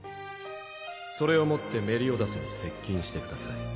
それを持ってメリオダスに接近してください